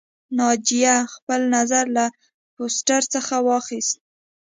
ناجیه خپل نظر له پوسټر څخه واخیست